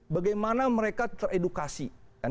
bagaimana mereka teredukasi